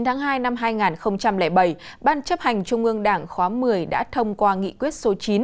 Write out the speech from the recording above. trong năm hai nghìn bảy ban chấp hành trung ương đảng khóa một mươi đã thông qua nghị quyết số chín